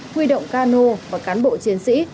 huy động cano và cán bộ chiến sĩ